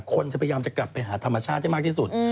คนจะพยายามจะกลับไปหาธรรมชาติให้มากที่สุด